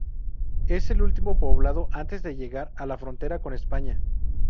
Es el último poblado antes de llegar a la frontera con España.